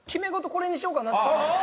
これにしようかなと思いました。